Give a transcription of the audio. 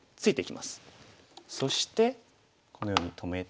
そしてこのように止めて。